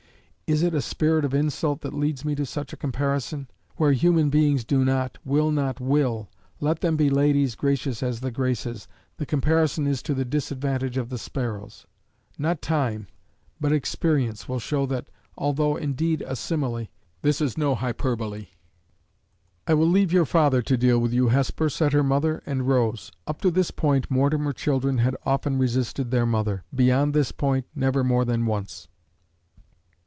Is it a spirit of insult that leads me to such a comparison? Where human beings do not, will not will, let them be ladies gracious as the graces, the comparison is to the disadvantage of the sparrows. Not time, but experience will show that, although indeed a simile, this is no hyperbole. "I will leave your father to deal with you, Hesper," said her mother, and rose. Up to this point, Mortimer children had often resisted their mother; beyond this point, never more than once.